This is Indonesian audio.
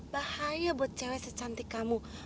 bahaya buat cewek secantik kamu